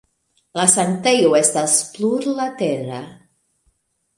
La sanktejo estas plurlatera.